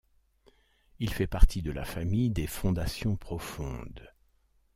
Il fait partie de la famille des fondations profondes.